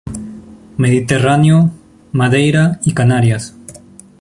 Mediterráneo, Madeira y Canarias.